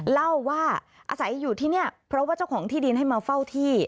เล่าว่าอาศัยอยู่ที่นี่เพราะว่าเจ้าของที่ดินให้มาเฝ้าที่